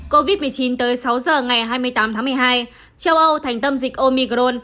covid một mươi chín tới sáu giờ ngày hai mươi tám tháng một mươi hai châu âu thành tâm dịch omicron